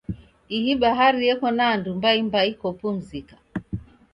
Ihi bahari yeko na andu mbaimbai kopumzika.